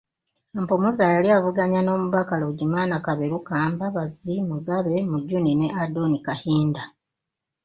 Ampumuza yali avuganya n'omubaka Ruggimana Kaberuka, Mbabazi, Mugabe, Mujuni ne Adon Kahinda.